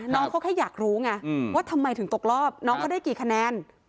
น้องเขาแค่อยากรู้ไงว่าทำไมถึงตกรอบน้องเขาได้กี่คะแนน